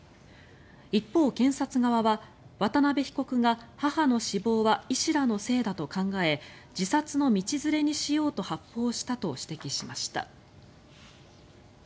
一方、検察側は、渡邊被告が母の死亡は医師らのせいだと考え自殺の道連れにしようと発砲したと指摘しました。